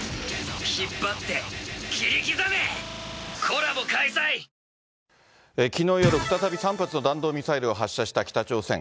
恐らく、きのう夜、再び３発の弾道ミサイルを発射した北朝鮮。